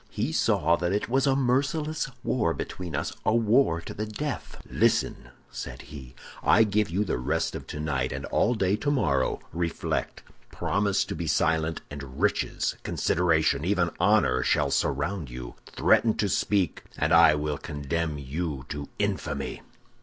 "He saw that it was a merciless war between us—a war to the death. "'Listen!' said he. 'I give you the rest of tonight and all day tomorrow. Reflect: promise to be silent, and riches, consideration, even honor, shall surround you; threaten to speak, and I will condemn you to infamy.